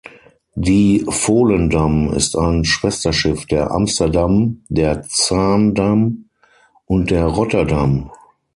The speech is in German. Die "Volendam" ist ein Schwesterschiff der "Amsterdam", der "Zaandam" und der "Rotterdam".